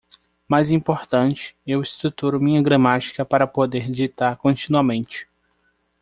Mais importante, eu estruturo minha gramática para poder ditar continuamente.